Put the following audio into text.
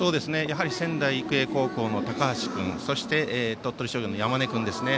仙台育英高校の高橋君そして、鳥取商業の山根君ですね。